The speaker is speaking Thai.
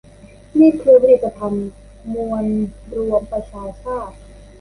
นี่คือผลิตภัณฑ์มวลรวมประชาชาติ